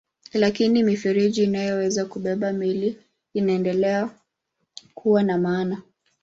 Lakini mifereji inayoweza kubeba meli inaendelea kuwa na maana.